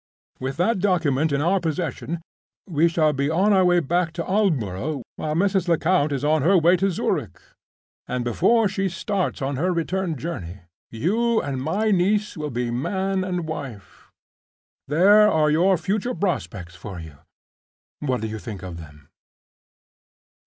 With that document in our possession, we shall be on our way back to Aldborough while Mrs. Lecount is on her way out to Zurich; and before she starts on her return journey, you and my niece will be man and wife! There are your future prospects for you. What do you think of them?"